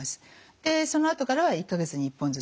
そのあとからは１か月に１本ずつです。